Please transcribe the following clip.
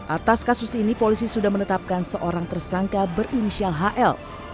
atas kasus ini polisi sudah menetapkan seorang tersangka berinisial hl